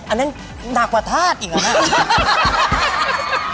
อันนั้นหนักกว่าธาตุอีกมั้ย